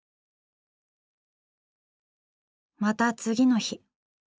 また次の日。